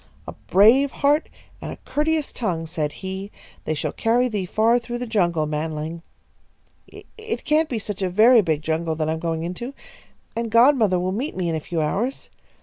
'A brave heart and a courteous tongue, said he, they shall carry thee far through the jungle, manling.' It can't be such a very big jungle that I'm going into, and godmother will meet me in a few hours.